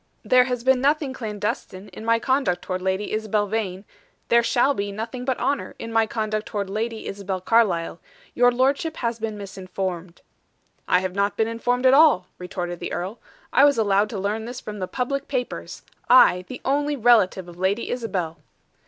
"There has been nothing clandestine in my conduct toward Lady Isabel Vane; there shall be nothing but honor in my conduct toward Lady Isabel Carlyle. Your lordship has been misinformed." "I have not been informed at all," retorted the earl. "I was allowed to learn this from the public papers I, the only relative of Lady Isabel."